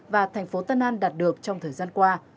và thành phố tân an đạt được trong thời gian qua